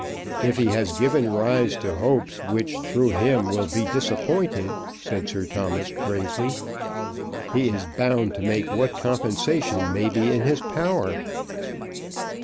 "If he has given rise to hopes which through him will be disappointed," said Sir Thomas, gravely, "he is bound to make what compensation may be in his power."